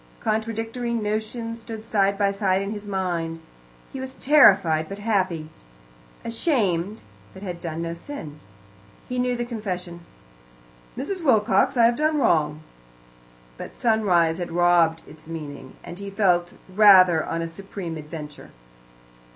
Contradictory notions stood side by side in his mind. He was terrified but happy, ashamed, but had done no sin. He knew the confession: "Mrs. Wilcox, I have done wrong," but sunrise had robbed its meaning, and he felt rather on a supreme adventure.